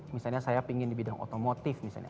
misalnya saya ingin di bidang otomotif misalnya